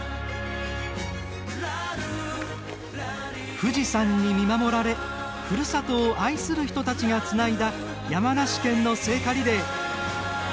富士山に見守られ、ふるさとを愛する人たちがつないだ山梨県の聖火リレー。